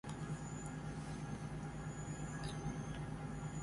Another motive was to make game rules and dynamics more understandable for new players.